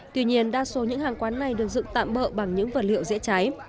tuy nhiên đa số những hàng quán này được dựng tạm bỡ bằng những vật liệu dễ cháy